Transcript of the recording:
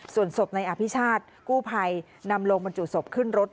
ส่วนศพในอภิชาติกู้ภัยนำลงบรรจุศพขึ้นรถ